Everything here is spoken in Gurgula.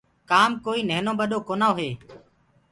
ڪآم ڪوئيٚ نهينو ٻڏو ڪونآ هي